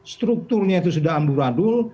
strukturnya itu sudah amburadul